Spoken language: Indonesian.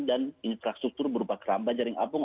dan infrastruktur berupa keramba jaring abung